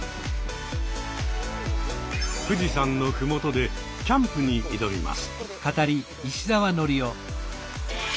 富士山の麓でキャンプに挑みます。